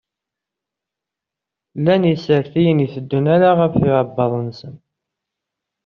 Llan isertayen iteddun ala ɣef yiɛebbaḍ-sen.